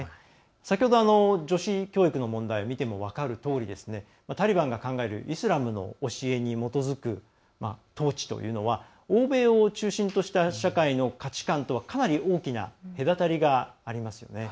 先ほど、女子教育の問題を見ても分かるとおりタリバンが考えるイスラムの教えに基づく統治というのは欧米を中心とした社会の価値観とはかなり大きな隔たりがありますよね。